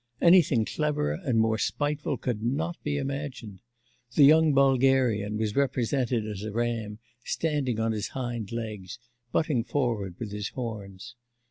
Anything cleverer and more spiteful could not be imagined. The young Bulgarian was represented as a ram standing on his hind legs, butting forward with his horns.